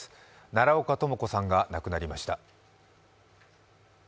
奈良岡朋子さんが亡くなりました。